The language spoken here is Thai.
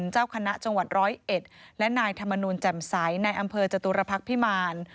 เจ้าคณะจังหวัดร้อยเอ็ดและนายธรรมนูลแจ่มใสในอำเภอจตุรพักษ์พิมาร